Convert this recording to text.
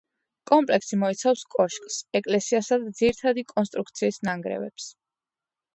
კომპლექსი მოიცავს კოშკს, ეკლესიასა და ძირითადი კონსტრუქციის ნანგრევებს.